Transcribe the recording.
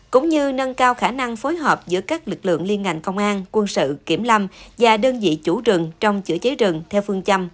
cũng như nâng cao khả năng phối hợp giữa các lực lượng liên ngành công an quân sự kiểm lâm và đơn vị chủ rừng trong chữa cháy rừng theo phương châm bốn